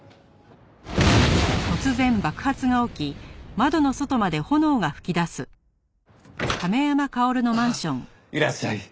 あっいらっしゃい。